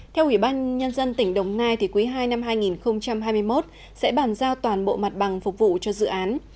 theo ủy ban nhân dân tỉnh đồng nai quý ii năm hai nghìn hai mươi một sẽ bàn giao toàn bộ mặt bằng phục vụ cho dự án